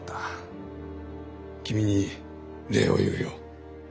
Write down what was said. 君に礼を言うよ。